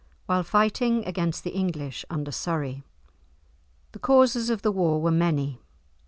while fighting against the English under Surrey. The causes of the war were many.